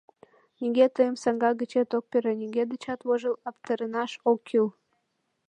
Нигӧ тыйым саҥга гычет ок пере, нигӧ дечат вожыл-аптыранаш ок кӱл.